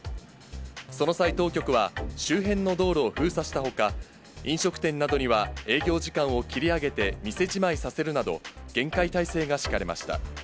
その際、当局は、周辺の道路を封鎖したほか、飲食店などには営業時間を切り上げて店じまいさせるなど、厳戒態勢が敷かれました。